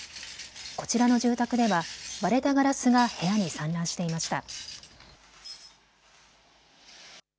こちらの住宅では割れたガラスが部屋に散乱していました。